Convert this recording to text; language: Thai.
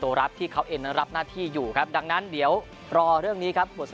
รับที่เขาเองนั้นรับหน้าที่อยู่ครับดังนั้นเดี๋ยวรอเรื่องนี้ครับบทส